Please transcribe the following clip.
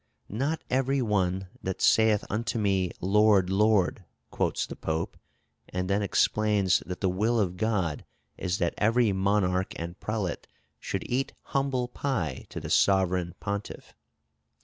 "Not every one that saith unto me, Lord, Lord," &c., quotes the Pope, and then explains that the will of God is that every monarch and prelate should eat humble pie to the Sovereign Pontiff.